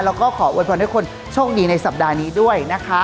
แล้วก็ขอโวยพรให้คนโชคดีในสัปดาห์นี้ด้วยนะคะ